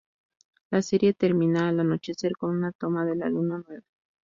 La serie termina al anochecer con una toma de la luna nueva.